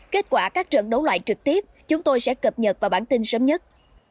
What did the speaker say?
kết quả các trận đấu loại trực tiếp chúng tôi sẽ cập nhật vào bản tin sớm nhất